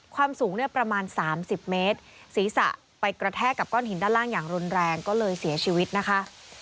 ความสูงเนี่ยประมาณ๓๐เมตรศีรษะไปกระแทกกับก้อนหินด้านล่างอย่างรุนแรงก็เลยเสียชีวิตนะคะ